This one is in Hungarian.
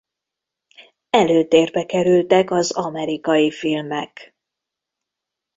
Előtérbe kerültek az amerikai filmek.